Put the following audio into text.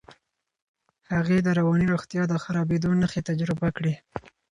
هغې د رواني روغتیا د خرابېدو نښې تجربه کړې.